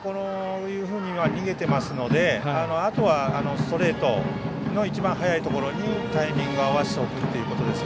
今、逃げていますのであとはストレートの一番速いところにタイミングを合わせておくことです。